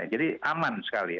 jadi aman sekali